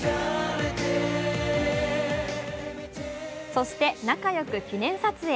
そして、仲良く記念撮影。